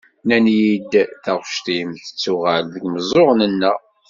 Nnan-iyi-d taɣect-im, tettuɣal-d deg meẓẓuɣen-nneɣ.